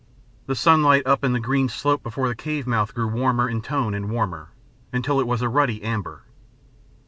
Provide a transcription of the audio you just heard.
The sunlight up the green slope before the cave mouth grew warmer in tone and warmer, until it was a ruddy amber.